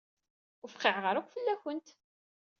Ur fqiɛeɣ ara akk fell-akent.